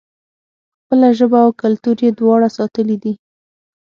خپله ژبه او کلتور یې دواړه ساتلي دي.